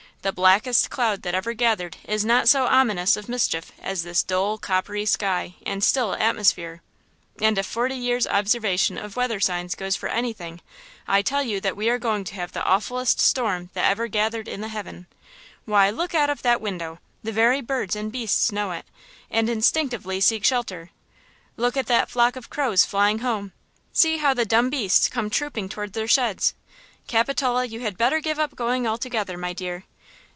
The blackest cloud that ever gathered is not so ominous of mischief as this dull, coppery sky and still atmosphere! And if forty years' observation of weather signs goes for anything, I tell you that we are going to have the awfulest storm that ever gathered in the heavens! Why, look out of that window–the very birds and beasts know it, and instinctively seek shelter–look at that flock of crows flying home! See how the dumb beasts come trooping toward their sheds! Capitola, you had better give up going altogether, my dear!"